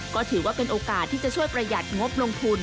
ก็ถือว่าเป็นโอกาสที่จะช่วยประหยัดงบลงทุน